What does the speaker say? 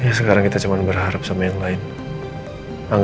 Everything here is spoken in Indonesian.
ya sekarang kita cuma berharap sama yang lain